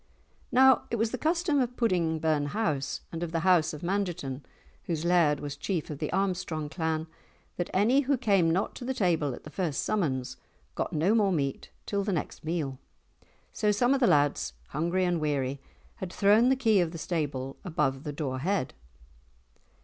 Now it was the custom of Pudding burn house and of the house of Mangerton, whose laird was chief of the Armstrong clan, that any who came not to the table at the first summons got no more meat till the next meal, so some of the lads, hungry and weary, had thrown the key of the stable above the door head.